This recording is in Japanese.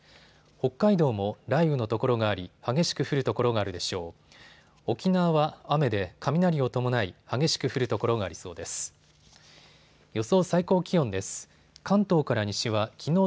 北海道も雷雨の所があり、激しく降る所があるでしょう。